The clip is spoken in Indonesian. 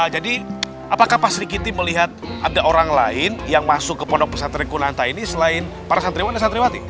jadi apakah pak srikiti melihat ada orang lain yang masuk ke pondok pesantri kunanta ini selain para santriwan dan santriwati